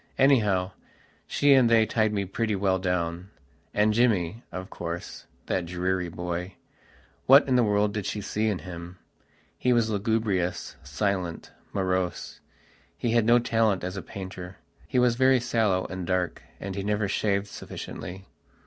Anyhow, she and they tied me pretty well downand Jimmy, of course, that dreary boywhat in the world did she see in him? He was lugubrious, silent, morose. He had no talent as a painter. He was very sallow and dark, and he never shaved sufficiently.